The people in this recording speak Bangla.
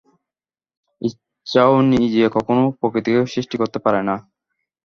ইচ্ছাও নিজে কখনও প্রকৃতিকে সৃষ্টি করিতে পারে না।